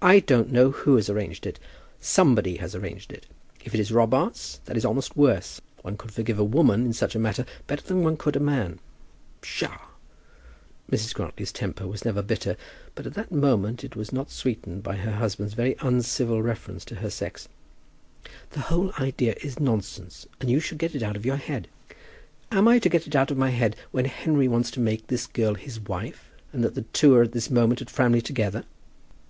"I don't know who has arranged it. Somebody has arranged it. If it is Robarts, that is almost worse. One could forgive a woman in such a matter better than one could a man." "Psha!" Mrs. Grantly's temper was never bitter, but at this moment it was not sweetened by her husband's very uncivil reference to her sex. "The whole idea is nonsense, and you should get it out of your head." "Am I to get it out of my head that Henry wants to make this girl his wife, and that the two are at this moment at Framley together?"